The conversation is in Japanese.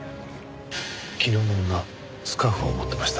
昨日の女スカーフを持ってました。